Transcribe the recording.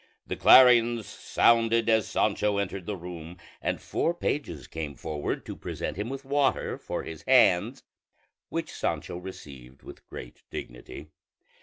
The clarions sounded as Sancho entered the room, and four pages came forward to present him with water for his hands, which Sancho received with great dignity.